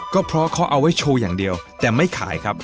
ก็เพราะเขาเอาไว้โชว์อย่างเดียวแต่ไม่ขายครับ